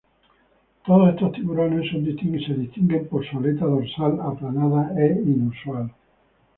Todos estos tiburones son distinguidos por su aleta dorsal aplanada e inusual.